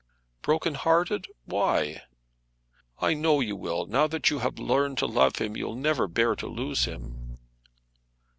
"Broken hearted! Why?" "I know you will. Now that you have learned to love him, you'll never bear to lose him."